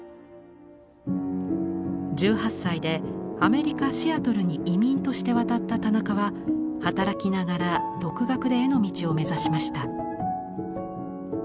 １８歳でアメリカ・シアトルに移民として渡った田中は働きながら独学で絵の道を目指しました。